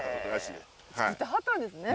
つくってはったんですね。